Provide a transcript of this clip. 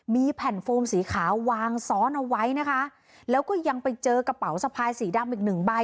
มีแผ่นโฟมสีขาววางซ้อนเอาไว้นะคะแล้วก็ยังไปเจอกระเป๋าสะพายสีดำอีกหนึ่งใบ